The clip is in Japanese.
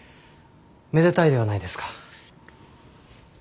めでたいではないですか。